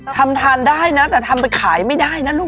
ทำทานได้นะแต่ทำไปขายไม่ได้นะลูก